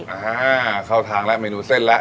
อ่าฮะเข้าทางแล้วเมนูเส้นแล้ว